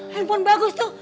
handphone bagus tuh